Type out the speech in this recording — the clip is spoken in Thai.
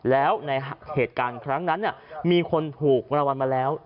แล้วในเหตุการณ์ครั้งนั้นมีคนถูกรางวัลมาแล้ว